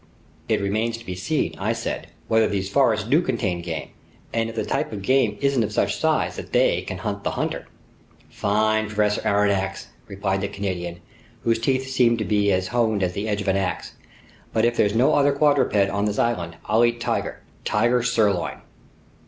"It remains to be seen," I said, "whether these forests do contain game, and if the types of game aren't of such size that they can hunt the hunter." "Fine, Professor Aronnax!" replied the Canadian, whose teeth seemed to be as honed as the edge of an ax. "But if there's no other quadruped on this island, I'll eat tiger—tiger sirloin."